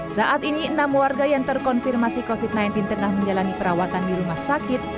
saat ini enam warga yang terkonfirmasi covid sembilan belas tengah menjalani perawatan di rumah sakit